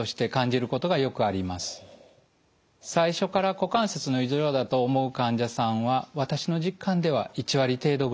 最初から股関節の異常だと思う患者さんは私の実感では１割程度ぐらいです。